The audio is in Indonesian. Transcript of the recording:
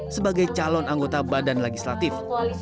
sebagai calon anggota badan legislatif